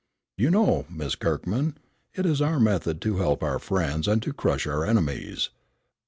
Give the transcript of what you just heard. You know, Miss Kirkman, it is our method to help our friends and to crush our enemies.